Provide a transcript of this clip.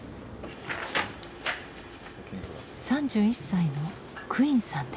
３１歳のクインさんです。